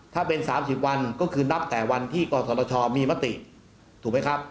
ถ้าเป็น๓๐วันก็คือนับแต่วันที่กศชมีมติถูกไหมครับ